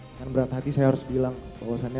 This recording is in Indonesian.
dengan berat hati saya harus bilang bahwasannya